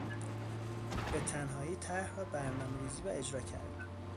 به تنهایی طرح را برنامه ریزی و اجرا کرد.